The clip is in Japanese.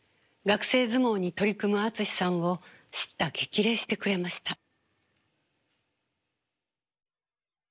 学生相撲に取り組む敦さんを叱咤激励してくれました。